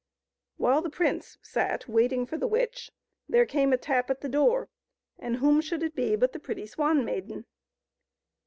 While the prince sat waiting for the witch, there came a tap at the door, and whom should it be but the pretty Swan Maiden.